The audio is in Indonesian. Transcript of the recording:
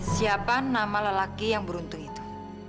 siapa nama lelaki yang beruntung itu